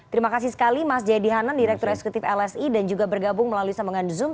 terima kasih sekali mas jayadi hanan direktur eksekutif lsi dan juga bergabung melalui sambungan zoom